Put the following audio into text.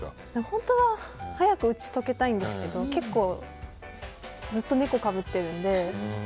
本当は早く打ち解けたいんですけど結構、ずっと猫かぶってるので。